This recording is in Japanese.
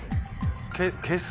消す？